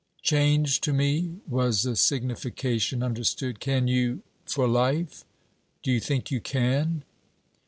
changed to me, was the signification understood. 'Can you? for life'. Do you think you can?'